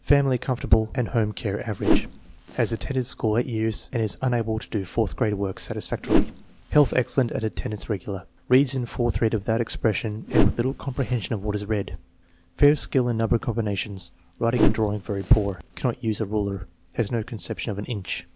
Family comfortable and home care average. Has at tended school eight years and is unable to do fourth grade work satisfactorily. Health excellent and attendance regular. Reads in fourth reader without expression and with little comprehension of what is read. Fair skill in number combinations. Writing and drawing very poor. Cannot use a ruler. Has no conception of an inch.